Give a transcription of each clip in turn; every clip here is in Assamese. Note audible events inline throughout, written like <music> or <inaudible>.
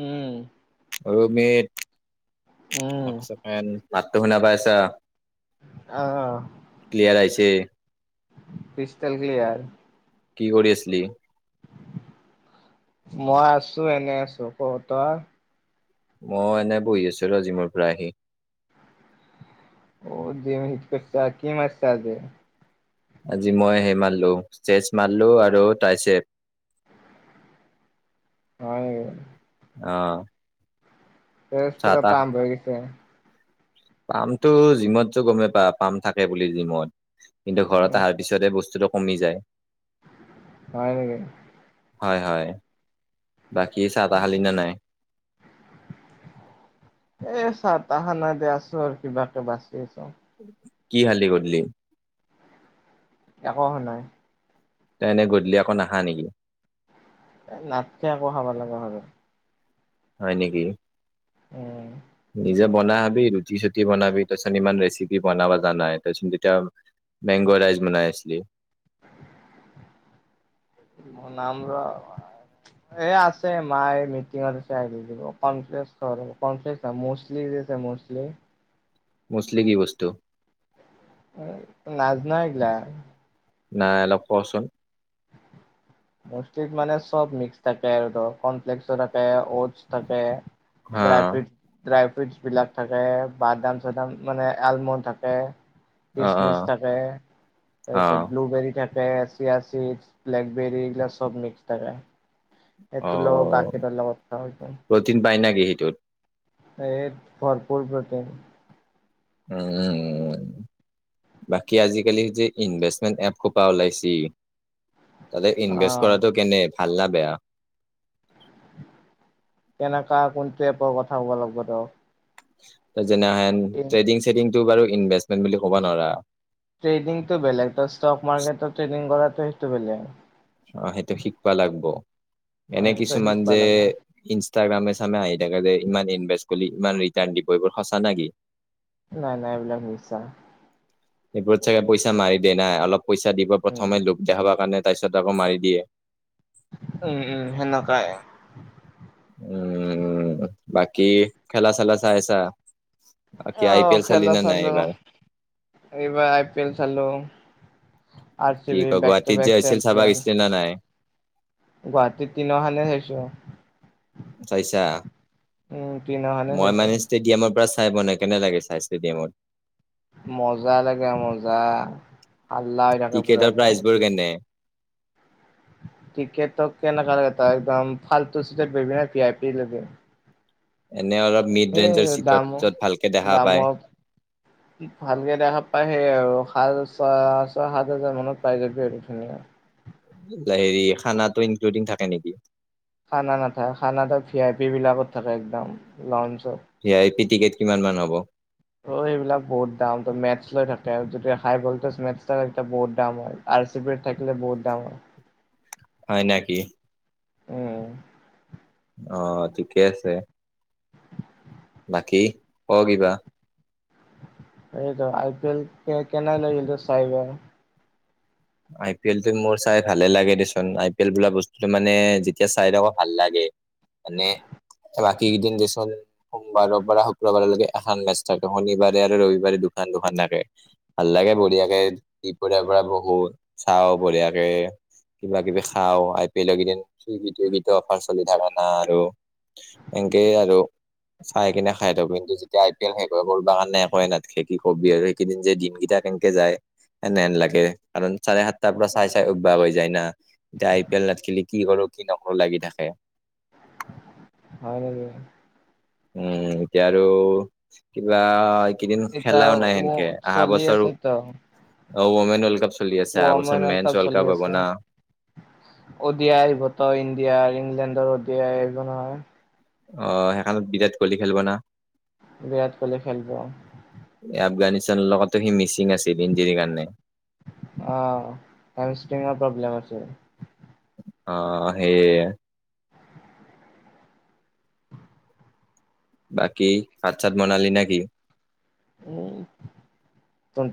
উম উৰুমিত উম, এক চেকেণ্ড মাতটো শুনা পাইছা <unintelligible> ক্লিয়াৰ আহিছে পিষ্টল ক্লিয়াৰ কি কৰি আছিলি মই আছো এনে আছো ক তই মই এনে বহি আছো ৰ জিমৰ পৰা আহি <unintelligible> <unintelligible> অ যেমহিত কছাহ কি মাৰছা আজি <unintelligible> আজি মই সেই মাৰিলোঁ ষ্টেজ মাৰলোঁ আৰু টাইছেপ <unintelligible> <inaudible> হয় অ তেছ চাহ পুৰা তাহ পাম হৈ গৈছে <unintelligible> পামটো জিমততো গমেই পা পাম থাকে বুলি জিমত কিন্তু ঘৰত অহাৰ পিছতে বস্তুটো কমি যায় হয় নেকি হয় হয় বাকী চাহ তাহ খালী নে নাই খানাতে আছো আৰু কিবা এটা বাচি আছো কি হালি কৰিলি <unintelligible> একো হোৱা নাই তনে গধূলি আকৌ নাহা নেকি এ নাটকে আকৌ খাব লাগা হয় <unintelligible> <unintelligible> হয় নেকি উম নিজ যে বনাই হাবি ৰুটি চুটি বনাবি তাৰপিছত ইমান ৰেচিপি বনাবা জানাই তই চোন যেতিয়াও <unintelligible> বেংগ'ৰাইজ বনাই আছিলি নাম ৰ এই আছে মায় মিটিঙত আহি দিব <unintelligible> যে মৌচলি? মৌচলী কি বস্তু? নাজ না এইগিলাক। নাই অলপ কচোন? মৌচলিত মানে চব মিক্স থাকে আৰু টোৰ কনফ্লে্স থাকে ঔৎচ থাকে। হা ড্ৰাই ফ্ৰুট-ড্ৰাই চুইটছ বিলাক থাকে বাদাম-চাদাম মানে এলমণ্ড থাকে। অ অ কচমিচ থাকে অ তাৰপিছত ব্লুবেৰী থাকে ফেচিয়া চিডছ ব্লাকবেৰী এইগিলা চব মিক্স থাকে। এই অ তুল গাখীৰৰ লগত খাওঁ এটো। প্ৰটিন পাই না সেইটোত? এই ভৰপূৰ প্ৰটিন। উম'-উম'-উম'। বাকী আজিকালি যে ইনভেষ্টমেণ্ট এপ খোপা ওলাইচি। ততে অ ইনভেষ্ট কৰাটো কেনে, ভাল না বেয়া? কেনেকা কোন এপৰ কথা ক'ব লাগিব টোক? যেনেহেন ট্ৰেডিং চেডিংটো বাৰু ইনভেষ্টমেণ্ট বুলি ক'ব নোৱাৰা। ট্ৰেডিংটো বেলেগ টো ষ্টক মাৰ্কেটত ট্ৰেডিং কৰাটো সেইটো বেলেগ। অ', সেইটো শিকবা লাগব। অ এনে সেইটো কিছুমান শিকবা যে লাগব ইনষ্টাগ্ৰামে চামে আহি থকা যে। ইমান ইনভেষ্ট কৰি ইমান ৰিটাৰ্ণ দিব এইবোৰ সঁচা নেকি? নাই-নাই এইবিলাক মিছা। এইবোৰত চাগে পইচা মাৰি দে নাই, অলপ পইচা দিব উম প্ৰথমে লোক দেখাবৰ কাৰণে তাৰপিছত আকৌ মাৰি দিয়ে। উম'-উম', হেনকাই। উম', বাকি খেল চেলা ছাই আছা? অ', খেলা চালো। এইবাৰ আই পি এল চালো। আৰ কি চি বি কয় বেক টো গুৱাহাটীত যে বেক হৈছিল চাবা চেম্পিয়ন। গৈছিলি নে নাই? গুৱাহাটীত তিনিখনে চাইছোঁ। চাইছা? তিনিওখনে মই চাইছো। মানে ষ্টেডিয়ামৰ পৰা চাই পোৱা নাই। কেনে লাগে চাই ষ্টেডিয়ামত? মজা লাগে মজা হাল্লা হৈ থাকে পুৰা টিকেটৰ একদম। প্ৰাইচ বোৰ কেনে? ক্ৰিকেত টোক কেনেকা লাগে একদম ফালতু seat V I P level? এনে অলপ মিড ৰেঞ্জৰ চিত্ৰত য'ত ভালকে দেখা পায়। দামৰ ভালকে দেখা পায় সে আৰু। ভাল ছয়-ছয় সাত হাজাৰ মানত পাই যাবি এইটো ধুনীয়া। হেৰি খানাটো ইনক্লুডিং থাকে নেকি? খানা নাথায়। খানা টোৰ ভি আই পি বিলাকত থাকে একদম লঞ্চত। ভি আই পি টিকেট কিমান মান হ'ব? অ, এইবিলাক বহুত দাম, ত মেথছ লৈ থাকে যদি হাই ভলটেজ মেথছ তেতিয়া বহত দাম হয়। পাৰ্টিপেট <unintelligible> <unintelligible> থাকিলে বহুত দাম হয়। হৈ নেকি? উম'। অ', ঠিকেই আছে। বাকী ক কিবা? এইটো আই পি এল কে কেনে লাগিলে চাই? আই পি এলটো মোৰ চাই ভালে লাগে দেচোন, আই পি এল বোলা বস্তুটো মানে যেতিয়া চাই থাকো ভাল লাগে। মানে বাকীকেইদিন দেচোন সোমবাৰ পৰা শুক্ৰবাৰলৈকে এখন মে <unintelligible> থাকে শনিবাৰে আৰু ৰবিবাৰে দু কাণ দুখন থাকে‌। ভাল লাগে বঢ়িয়াকে। দুপৰীয়াৰ পৰা বহুত চাও বঢিয়াকে। কিবা কিবি খাও, আই পি এলৰ কেইদিন চুইগি টোইগিটো অফাৰ চলি থাকা না আৰু। এংকেই আৰু। চাই কিনে খাই থাকো। কিন্তু যেতিয়া আই পি এল শেষ কৰব কাৰণে একোৱে নাথখে, কি কবি আৰু সেইকেইদিন যে দিনকেইটা কেনকে যায় এনেহেন লাগে। কাৰণ চাৰে সাতটাৰ পৰা চাই চাই অভ্যাস হৈ যায় না। এতিয়া আই পি এল নাথখিলি কি কৰো কি নকৰো লাগি থাকে। হৈও দে। উম এতিয়া আৰু কিবা এইকেইদিন এতিয়া খেলাও নাই সেনকে, অহা চলি বছৰো আছে তো অ ওমেন ৱৰ্ল্ড কাপ চলি আছে। অহাবছৰ মেন ওৰ্ল্ড কাপ হ'ব না। অদিয়াইহঁতৰ ইণ্ডিয়াৰ ইংলেণ্ডৰ অডিয়া আহিব নহয়। অ সেইখনত বিৰাট কোহলি খেলব না। বিৰাট কোহলি খেলব। আফগানিস্তানৰ লগতো সি মিচিং আছিল ইনজুৰিৰ কাৰণে। অ আইচটিংৰ প্ৰব্লেম আছে। অ সেইয়ে। বাকী ভাত চাত বনালি না কি? উম ত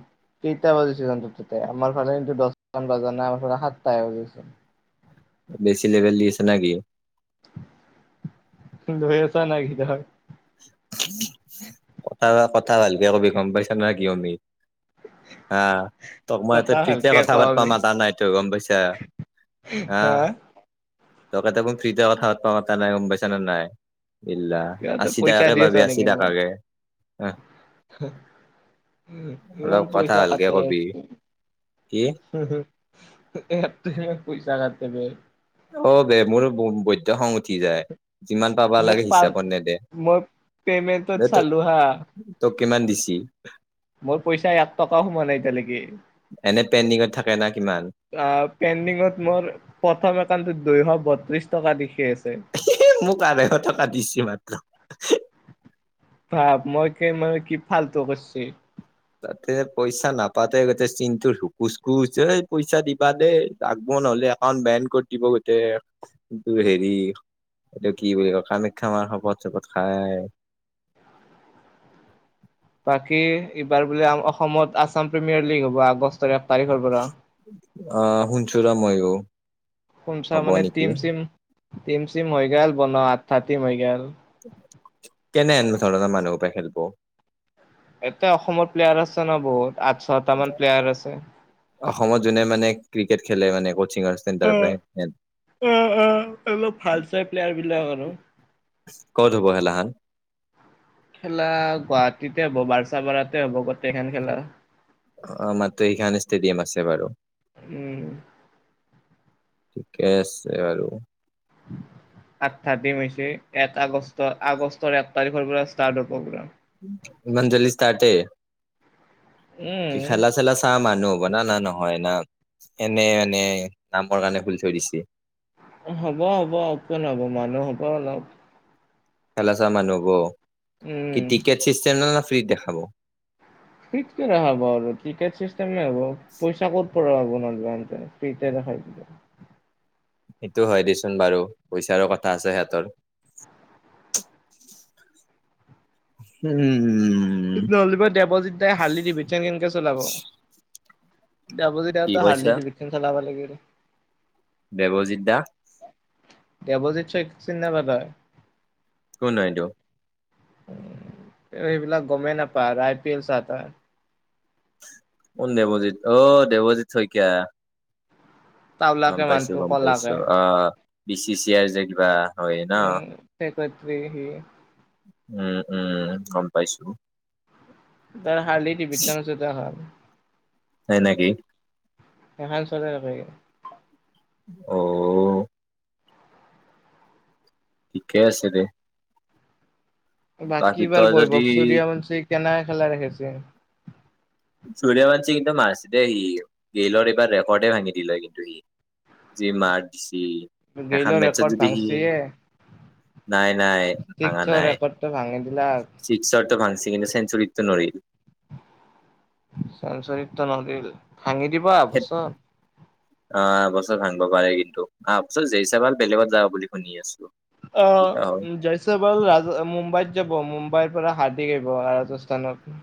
কেইটা বাজিছে তনতৰ দুটা। আমাৰ ফালে কিন্তু দছটামান বজা নাই, আমাৰ ফালে সাতটায়ে বাজিছে। বেছি লেবেল দি আছ নাকি? ধৈ আছা নাই <unintelligible> কথা, কথা ভালকে কবি। গম পাইছা নাই কি হ'য় মি। হা তোক মই এতে কথা ফ্ৰীতে ভালকে কথা কওঁ পাতব আমি মাতা নাইটো গম পাইছা? হা? তোক এতে মই ফ্ৰীতে কথা পাতব মাতা নাই। গম পাইছা নে নাই? আ সিহঁতে আচি টকাকে পাবি, আচি টকাকে। উ ইমান অলপ কথা পইচা ভালকে কাটে। কবি কি হু হু এই এপটো ইমান পইচা কাটে বে। অ বে মোৰো ব বৈদ্য খং উঠি যায়। যিমান পাবা লাগে হিচাপত নেদে। পেমেণ্টটোত চালো হা। তোক কিমান দিছি? মোৰ পইচা এক টকাও সোমোৱা নাই এতিয়ালকি। এনে পেণ্ডিঙত থাকে। না কিমান আ পেণ্ডিঙত মোৰ প্ৰথম একাউণ্টত দুইশ বত্ৰিশ টকা দিখেই আছে। ই হি মোক আঢ়ৈশ টকা দিছে মাত্ৰ। ভাব। মই কি মই কি ফাল্টু কৰচি। তাতে পইচা নাপাতে যাতে চিনটোৰ হুকোচ কোচ যে পইচা দিবা দেই‌ লাগব নহ'লে। একাউণ্ট বেন কৰি দিব গোটে। কিন্তু হেৰি এইটো কি বুলি কয়। কামাখ্যা মাৰ শপত চপত খায় <inaudible> বাকী এইবাৰ বোলে অসমত আছাম প্ৰিমিয়াৰ লীগ হ'ব। আগষ্ট অ শুনচো ৰ মইও। কোনচা হ'ব মানে নেকি টিম চিম, টিম চিম হৈ গ'ল বনোৱা। আঠঠা টিম হৈ গেল। কেনে আন ধৰণৰ মানুহখোপা খেলব। এতিয়া অসমৰ প্লেয়াৰ আছে না বহুত। আঠ ছটা মান প্লেয়াৰ আছে। অসমত যোনে মানে ক্ৰিকেট খেলে মানে কচিঙৰ চেণ্টাৰ পৰাই আহ-আহ-আহ। অলপ ভাল চাই প্লেয়াৰ বিলাক আৰু। ক'ত হ'ব খেলাখান? খেলা গুৱাহাটীতে হ'ব। বাৰছাপাৰাতে হ'ব গোটেই খান খেলা। অ আমাৰ তিনি খন ষ্টেডিয়াম আছে বাৰু। উম। ঠিকে আছে বাৰু। আঠটা দিম হৈছে এক আগষ্ট আগষ্টৰ এক তাৰিখৰ পৰা ষ্টাৰ্ট হ'ব প্ৰগ্ৰাম। ইমান জলদি ষ্টাৰ্টে কি খালা উম চালা চাহ মানুহ। বনালা নহয় না এনে মানে নামৰ কাৰণে খুলি থৈ দিছে। হ'ব হ'ব অপেন হ'ব মানুহ হ'ব অলপ। ঠেলা সেচা মানুহ হ'ব কি উম। টিকেট চিষ্টেম না নে ফ্ৰীত দেখাব। ফ্ৰীত কিয় দেখাব আৰু টিকেট চিষ্টেমে হ'ব পইচা ক'ত পৰা হব তেন্তে ফ্ৰীতে দেখাই দিলে সেইটো হয় দিয়াচোন বাৰু পইচাৰো কথা আছে সিহঁতৰ। উম উম উম। নলিব দেৱজিত দাই হালি দিবিচন কেনেকে চলাব। ডাবজ কি দিয়ত কৈছা হাৰ্লিক বি্চন চলাব লাগিব। দেৱজিত দা দেৱজিৎ চৈক্‌ -চিনি নাপাৱ তই? কোন হ'য় এইটো? তই সেইবিলাক গমেই নাপাৱ। আই পি এল চাৰ্ত হ'য়। কোন দেৱজিৎ অ, দেৱজিৎ শইকীয়া। গম টাওলাকে পাইছো, মানুহটো গম পাইছো কলাকে অ, বি চি চি আই যে কিবা? হয় ন উম <unintelligible> উম, উম গম পাইছো। তাৰ হাৰ্লি টিভিত চন হৈছে তাৰ ভাগৰ হ'য় নেকি? সেইকাৰণে চাব লাগে এইবোৰ। অ ঠিকে আছে দে? বাকি, বাকী এইবাৰ তই যদি বৈভৱ চুৰীয়াৱঞ্চিক কেনেকা ফালে ৰাখিছে। চুৰীয়াৱঞ্চি কিন্তু মাৰছে দে সি। গেইলৰ এইবাৰ ৰেকৰ্ডে ভাঙি দিলে কিন্তু সি। যি মাৰ দিছি। গেইলৰ সেইখন মেছ্‌ত ৰেকৰ্ড যদি সি ভাংচিয়ে নাই, নাই ভাঙা ছিক্সৰ নাই। ৰেকৰ্ডটো ভাঙি দিলাক চিক্সৰটো ভাংছি কিন্তু চেঞ্চুৰিতটো নোৱাৰি। চেঞ্চুৰিত টো নাভাঙিল। ভাঙি দিব আও এইবছৰ। অ, এইবছৰ ভাঙিব পাৰে কিন্তু আহাবছৰ জয়সাগৰ বেলেগত যাব বুলি শুনি আছো। অ, কিবা হয় জয়সাগৰ, ৰাজ -মুম্বাইত যাব মুম্বাইত পৰা হাৰ্দিক আহিব ৰাজস্থানত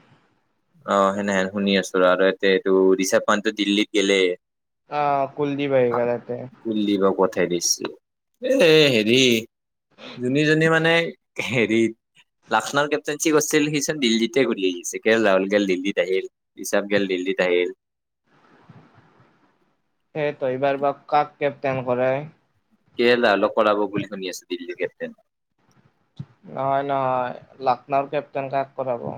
অ, সেনে হেন শুনি আছো আৰু এতিয়া এইটো ৰিষভ পাণ্টটো দিল্লীত গেলে। আহ কুলদীপ আহি গ'ল ইয়াতে কুলদীপক পঠিয়াই দিছে। এ হেৰি, যোনে যোনে মানে হেৰিত লাক্ষ্ণৌ কেপ্টেইনশ্বিপ আছিল সি চোন দিল্লীতে ঘূৰি আহিছে। গেল, ৰাহুল গেল দিল্লীত আহিল। ঋষভ গেল দিল্লীত আহিল। সেইটো, এইবাৰ বা কাক কেপ্টেইন কৰে? কে, ৰাহুলক কৰাব বুলি শুনি আছো দিল্লীৰ কেপ্টেইন। নহয়, নহয় লাক্ষ্মৌৰ কেপ্টেইন কাক কৰাব?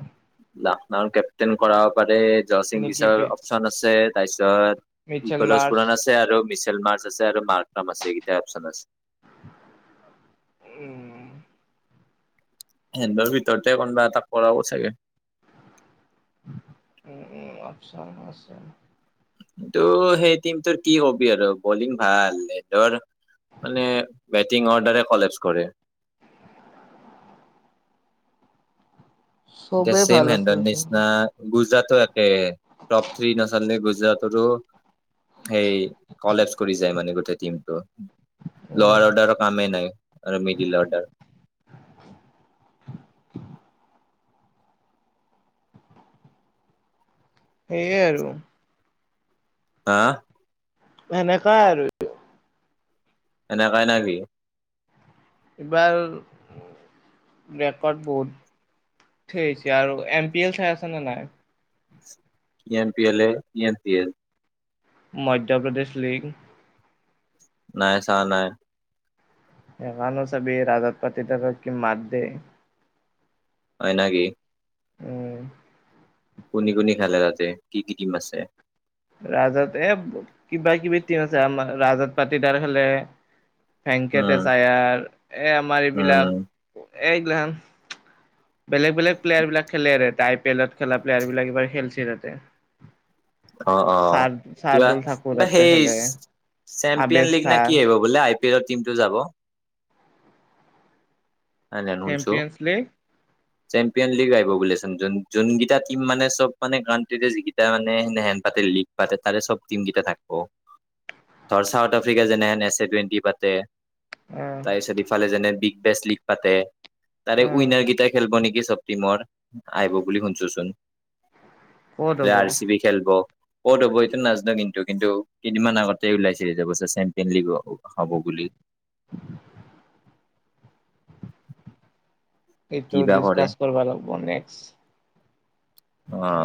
লক্ষ্ণৌৰ কেপ্টেইন কৰাব পাৰে জয়সিং, নিকি ঋষভ পিত অপচন আছে তাৰপিছত মিচেল নিকোলাছ মাৰ্চ পুৰাণ আছে আৰু মিছেল মাৰ্ছ আছে আৰু মাক্ৰাম আছে এইকেইটা অপচন আছে। ও হেতৰ ভিতৰতে কোনোবা এটাক কৰাব চাগে উম ও অপচন আছে। কিন্তু সেই টিমটোৰ কি কবি আৰু বলিং ভাল। হেঁতৰ মানে বেটিং অৰ্ডাৰে কলেপচ্‌ কৰে। এতিয়া চবেই চেম ভাল হেঁতৰ আছিল কিন্তু নিছিনা গুজৰাত টো একে টপ থ্ৰী আচলতে গুজৰাতটো সেই কলেছ কৰি যায় মানে গোটেই টিমটোত। উম লৱাৰ অৰ্ডাৰৰ কামেই নাই আৰু মিডিল অৰ্ডাৰ <inaudible> সেইয়ে আৰু হাঁ। এনেকাই আৰু। এনেকাই নাকি? এইবাৰ ৰেকৰ্ড বহুত থেইছে আৰু এম পি এল চাই আছ নে নাই? ই এম পি এল এ, ই M P L. Madhya Pradesh লীংগ। নাই। চাৱ নাই? এ না নো চাবি ৰাজত পাতি ত থকাত কে মাত দে। হয় নাকি? উম। কোনি-কোনি খেলে তাতে? কি-কি টিম আছে? ৰাজত এ কিবা-কিবি টিম আছে আমাৰ। ৰাজত পাতিদাৰ খেলে। উম ভেংকেটেছ আয়াৰ এই আমাৰ এইবিলাক উম এইগিলাখান, বেলেগ বেলেগ প্লেয়াৰ বিলাক খেলে আৰু এতে এ আই পি এলত। খেলা প্লেয়াৰ বিলাক এইবাৰ খেলছে তাতে। অ, অ চাৰ কিবা চাৰদুল ঠাকুৰ কিবা তাতে সেই খেলে চেম্পিয়ন আবেজ লীগ নে খান কি আহিব বোলে? আই <unintelligible> টিমটো যাব। হেনেন শুনছো চেম্পিয়নছ লীগ চেম্পিয়ন লীগ আহিব বোলে চোন। যোন যোনকেইটা টিম মানে চব মানে কান্ট্ৰীৰে যিকিটা মানে সেনেহেন তে লীগ পাতে তাৰে চব টিম কেইটা থাকব। ধৰ চাউথ আফ্ৰিকা যেনেহেন এছ এ টুৱেণ্টি পাতে। আহ তাৰপিছত ইফালে যেনে বিগ বেচ লীগ পাতে। তাৰে আহ উইনাৰ কেইটা খেলব নেকি। ব টিমৰ আইব বুলি শুনছোচোন। ক'ত হ'ব আৰ চি বি খেলব ক'ত হব এইটো নাজানা কিন্তু। কিন্তু কেইদিনমান আগতেই ওলাইছে <unintelligible> চেম্পিয়ন লীগ হব বুলি। <inaudible> কি এইটো বা কৰে ডিস্কাছ কৰিবা লাগব অ নেক্সট।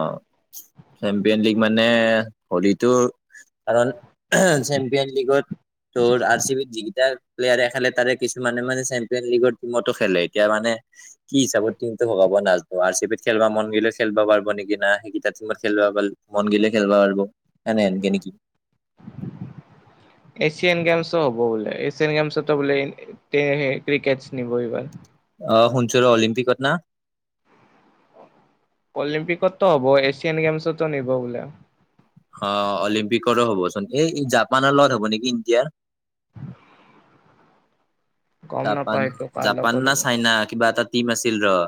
চেম্পিয়ন লীগ মানে হ'লীটো কাৰণ চেম্পিয়ন লীগত তোৰ আৰ চি বিৰ যিকেইটা প্লেয়াৰে খেলে, তাৰে কিছুমানে মানে চেম্পিয়ন লীগৰ টিমতো খেলে। এতিয়া মানে কি হিচাপত টিমটো ভগাব নাজনো আৰ। চি বিত খেলবা মন গ'লে খেলবা পাৰব নেকি না সেইকেইটা টীমত খেলবা <inaudible> মন গিলে খেলবা পাৰিব। এনে হেনকে নেকি? এছিয়ান গেমছো হ'ব বোলে। এছিয়ান গেমছোতো বোলে এ- তে- ক্ৰিকেটছ নিব এইবাৰ। অ' শুনছোঁ ৰ'। অলিম্পিকত না? অলিম্পিকততো হ'ব। এছিয়ান গেমছতো নিব বোলে। অ' অলিম্পিকৰো হ'বচোন। এই ই জাপানৰ লগত হ'ব নেকি ইণ্ডিয়াৰ? গম নাপায় জাপান- এইটো কাৰ জাপান লগত না হ'ব। চাইনা কিবা এটা টিম আছিল ৰ'।